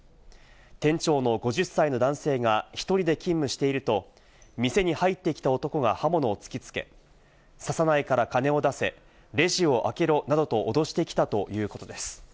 店長の５０歳の男性が１人で勤務していると、店に入ってきた男が刃物を突きつけ、刺さないから金を出せ、レジを開けろなどと脅してきたということです。